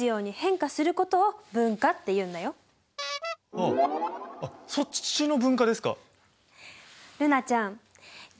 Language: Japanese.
ああっそっちの分化ですか。